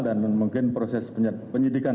dan mungkin proses penyelidikan